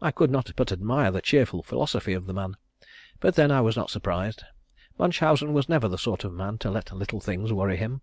I could not but admire the cheerful philosophy of the man, but then I was not surprised. Munchausen was never the sort of man to let little things worry him.